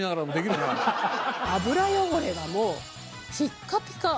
油汚れがもうピッカピカ！